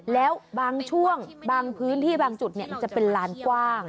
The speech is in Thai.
แล้วบางช่วงบางพื้นที่บางจุดจะเป็นลานกว้าง